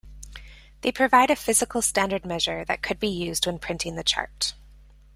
They provide a physical standard measure that could be used when printing the chart.